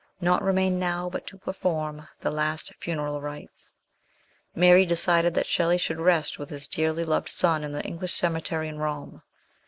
Naught remained now but to perform the last funeral rites. Mary decided that Shelley should rest with his dearly loved son in the English cemetery in Rome.